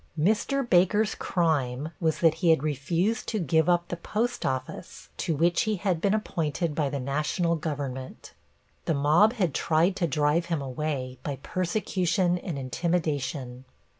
Mr. Baker's crime was that he had refused to give up the post office, to which he had been appointed by the National Government. The mob had tried to drive him away by persecution and intimidation.